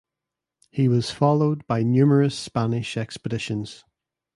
He was followed by numerous Spanish expeditions.